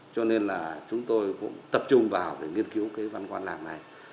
cho nên là chúng tôi cũng tập trung vào để nghiên cứu cái văn quan làng này